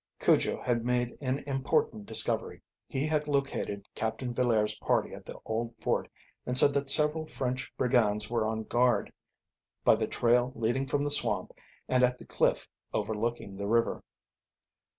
Cujo had made an important discovery. He had located Captain Villaire's party at the old fort, and said that several French brigands were on guard, by the trail leading from the swamp and at the cliff overlooking the river.